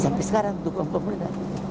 sampai sekarang dukungan pemerintah